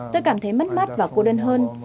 tôi cảm thấy mất mắt và cô đơn hơn